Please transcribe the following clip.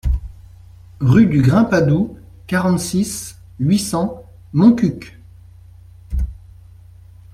Rue du Grimpadou, quarante-six, huit cents Montcuq